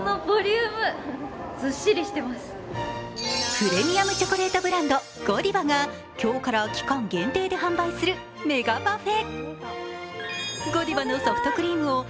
プレミアムチョコレートブランド、ゴディバが今日から期間限定で販売するメガパフェ。